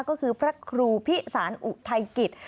ก็คือพระครูพิสารอุทัยกิจ